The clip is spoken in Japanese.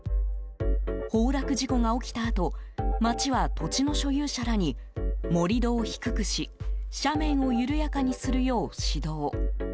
崩落事故が起きたあと町は、土地の所有者らに盛り土を低くし斜面を緩やかにするよう指導。